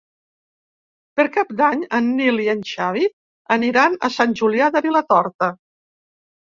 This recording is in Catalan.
Per Cap d'Any en Nil i en Xavi aniran a Sant Julià de Vilatorta.